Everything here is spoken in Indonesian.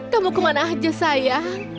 kamu ke mana aja sayang